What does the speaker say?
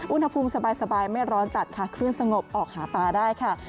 อุณหภูมิสบายไม่ร้อนจัดค่ะคลื่นสงบออกหาปลาได้ค่ะ